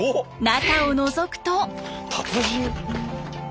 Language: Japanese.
中をのぞくと。